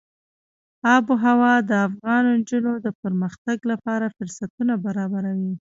آب وهوا د افغان نجونو د پرمختګ لپاره فرصتونه برابروي.